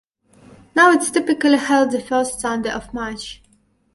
Now it is typically held the first Sunday of March.